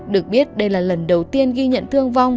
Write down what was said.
được biết đây là lần đầu tiên ghi nhận thương vong